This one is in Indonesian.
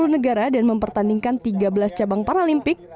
empat puluh negara dan mempertandingkan tiga belas cabang paralimpik